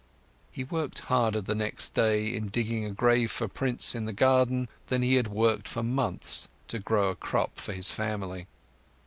He worked harder the next day in digging a grave for Prince in the garden than he had worked for months to grow a crop for his family.